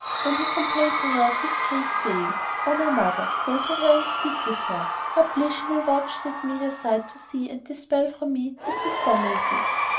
Then he complained to her of his case, saying, "O my mother, go to her and speak with her; haply she will vouchsafe me her sight to see and dispel from me this despondency."